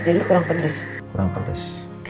jadi kurang pedas